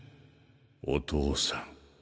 お父さん。